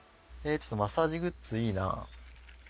ちょっとマッサージグッズいいな。